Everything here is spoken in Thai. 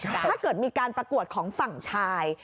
ถ้าเกิดมีการประกวดของฝั่งชาย